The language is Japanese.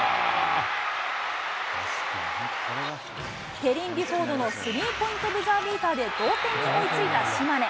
ペリン・ビュフォードのスリーポイントブザービーターで同点に追いついた島根。